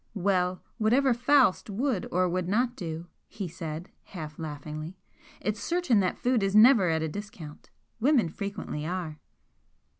"Well, whatever Faust would or would not do," he said, half laughingly "it's certain that food is never at a discount. Women frequently are."